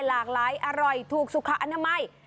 หลากหลายอร่อยถูกสุขอนามัย